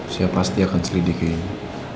saya pasti akan selidiki ini